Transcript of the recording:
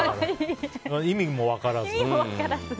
意味も分からず。